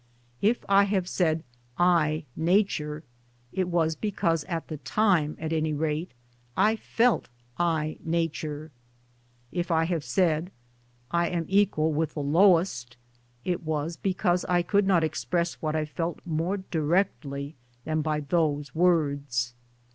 If I have said " I, Nature " it was because at the time, at any rate, I felt "I, Nature"; if I have said "I am equal with the lowest," it was because I could not express what I felt more directly than by those words.